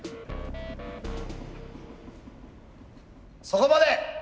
そこまで！